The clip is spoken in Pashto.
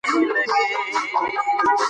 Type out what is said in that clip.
د عصر سره ځان برابر کړئ.